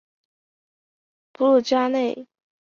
普卢扎内。